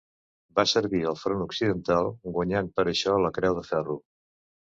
Va servir al front occidental, guanyant per això la Creu de Ferro.